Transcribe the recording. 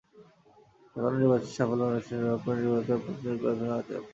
যেকোনো নির্বাচনের সাফল্য অনেকাংশে নির্ভর করে নির্বাচনের প্রতিদ্বন্দ্বী প্রার্থীদের আচরণের ওপর।